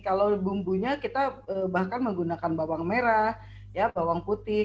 kalau bumbunya kita bahkan menggunakan bawang merah bawang putih